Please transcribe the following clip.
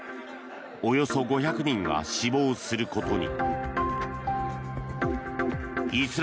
およそ５００人が死亡することに。